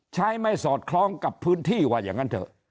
ใช้ไม่สอดคล้องกับพื้นที่ว่าอย่างนั้นเถอะ